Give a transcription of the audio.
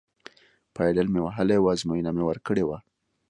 پایډل مې وهلی و، ازموینه مې ورکړې وه.